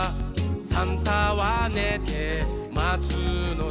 「サンタはねてまつのだ」